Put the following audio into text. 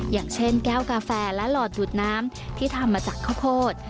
อย่างเช่นแก้วกาแฟและหลอดจุดน้ำที่ทำมาจากข้าวโพด